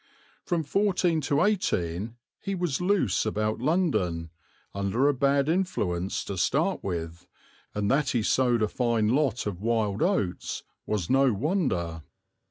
From fourteen to eighteen he was loose about London, under a bad influence to start with, and that he sowed a fine lot of wild oats was no wonder.